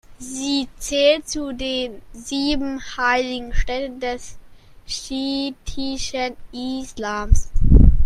Sie zählt zu den sieben heiligen Städten des schiitischen Islams.